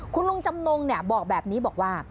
คุณลุงจำนงบอกแบบนี้บอกว่า